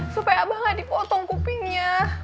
supaya abang gak dipotong kupingnya